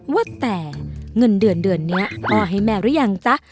ว่าแต่เงินเดือนเดือนนี้มอบให้แม่หรือยังจ๊ะ